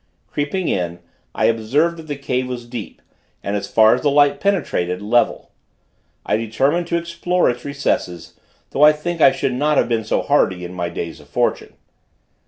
Creeping in, I observed that the cave was deep, and as far as the light penetrated, level. I determined to explore its recesses, though I think I should not have been so hardy in my days of fortune.